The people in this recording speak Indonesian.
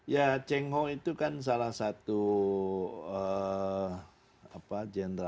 ya cengho itu kan salah satu jenis